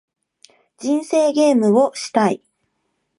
人生ゲームをしたい